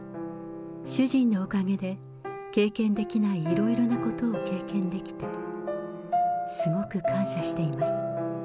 主人のおかげで経験できないいろいろなことを経験できて、すごく感謝しています。